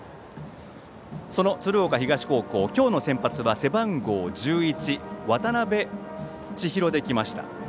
その鶴岡東高校今日の先発は背番号１１の渡辺千尋できました。